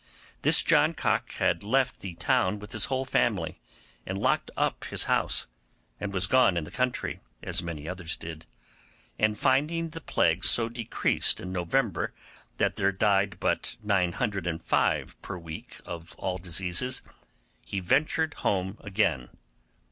This John Cock had left the town with his whole family, and locked up his house, and was gone in the country, as many others did; and finding the plague so decreased in November that there died but 905 per week of all diseases, he ventured home again.